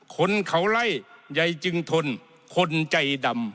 คนเขาไล่ยายจึงทนคนใจดำ